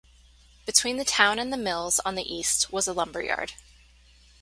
Between the town and the mills on the east was an lumberyard.